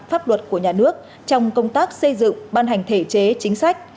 pháp luật của nhà nước trong công tác xây dựng ban hành thể chế chính sách